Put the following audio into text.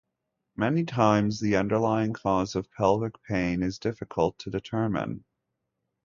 Many times, the underlying cause of pelvic pain is difficult to determine.